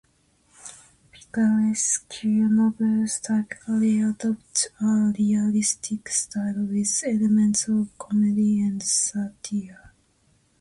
Picaresque novels typically adopt a realistic style, with elements of comedy and satire.